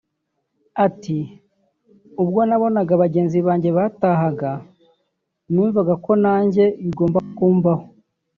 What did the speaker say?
Ati “Ubwo nabonaga bagenzi banjye bataha numvaga ko nanjye bigomba kumbaho